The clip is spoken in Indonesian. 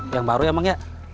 yang baru ya bang